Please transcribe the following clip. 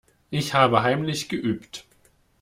Ich habe heimlich geübt.